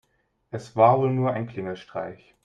Es war wohl nur ein Klingelstreich.